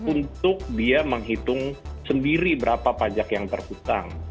untuk dia menghitung sendiri berapa pajak yang terhutang